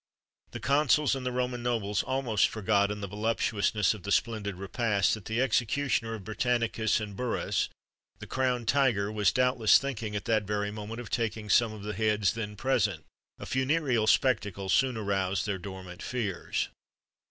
[XXXV 75][D] The consuls and the Roman nobles almost forgot, in the voluptuousness of the splendid repast, that the executioner of Britannicus and Burrhus, the crowned tiger, was doubtless thinking at that very moment of taking some of the heads then present. A funereal spectacle soon aroused their dormant fears.